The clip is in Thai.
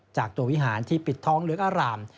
จากตัววิหารที่ปิดท้องเหลืองอาราม